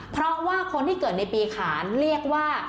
เพราะว่าคนที่เกิดในปีขานเรียกว่า